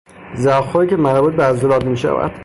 زخمهایی که مربوط به عضلات میشود